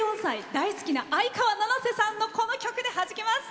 大好きな相川七瀬さんの曲ではじけます。